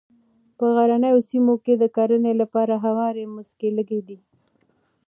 په غرنیو سیمو کې د کرنې لپاره هوارې مځکې لږې دي.